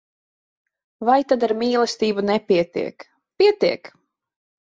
Vai tad ar mīlestību nepietiek? Pietiek!